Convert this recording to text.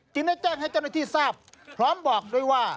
ได้แจ้งให้เจ้าหน้าที่ทราบพร้อมบอกด้วยว่า